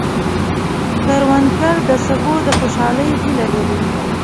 کروندګر د سبو د خوشحالۍ هیله لري